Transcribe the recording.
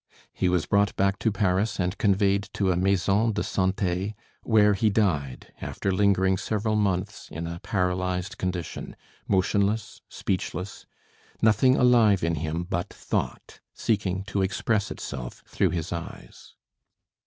He was brought back to Paris and conveyed to a "maison de santé," where he died, after lingering several months in a paralyzed condition, motionless, speechless; nothing alive in him but thought, seeking to express itself through his eyes.